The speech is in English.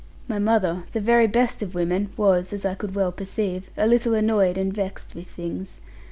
My mother, the very best of women, was (as I could well perceive) a little annoyed and vexed with things.